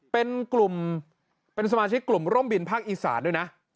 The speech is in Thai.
เป็นสมาชิกกลุ่มร่มบินภาคอีสานด้วยนะ